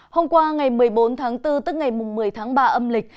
hôm qua ngày một mươi bốn tháng bốn tức ngày một mươi tháng ba âm lịch